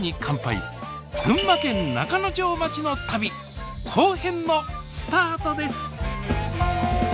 群馬県中之条町の旅後編のスタートです！